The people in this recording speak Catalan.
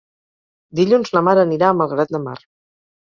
Dilluns na Mar anirà a Malgrat de Mar.